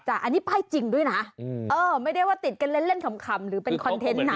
อันนี้ป้ายจริงด้วยนะไม่ได้ว่าติดกันเล่นขำหรือเป็นคอนเทนต์นะ